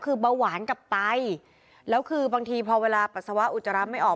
คือเบาหวานกับไตแล้วคือบางทีพอเวลาปัสสาวะอุจจาระไม่ออก